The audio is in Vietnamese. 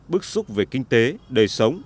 bước xúc về kinh tế đời sống